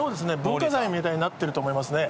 文化財みたいになってると思いますね。